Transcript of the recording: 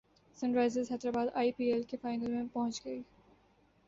sun Risers Hyderabad I P L کے final میں پہنچ گئی